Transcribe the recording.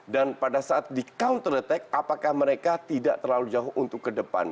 dan pada saat di counter attack apakah mereka tidak terlalu jauh untuk ke depan